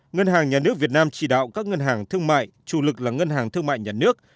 ngân hàng nhà nước việt nam chỉ đạo các ngân hàng thương mại chủ lực là ngân hàng thương mại nhà nước